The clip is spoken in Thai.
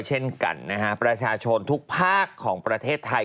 เช่นกันนะฮะประชาชนทุกภาคของประเทศไทย